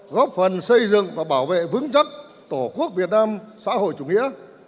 góp phần xây dựng và bảo vệ vững chắc tổ quốc việt nam xã hội chủ nghĩa